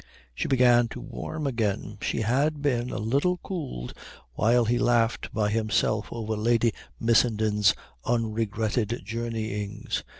She began to warm again. She had been a little cooled while he laughed by himself over Lady Missenden's unregretted journeyings.